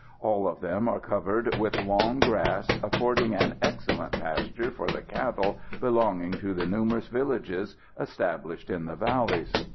All of them are covered with long grass, affording an excellent pasture for the cattle belonging to the numerous villages established in the valleys.